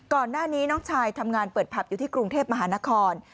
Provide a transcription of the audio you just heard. ก่อนหน้านี้น้องชายทำงานเปิดผับอยู่ที่กรุงเทพมหานคร